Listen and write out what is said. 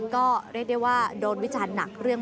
ก็เรียกได้ว่าโดนวิจารณ์หนักเรื่อง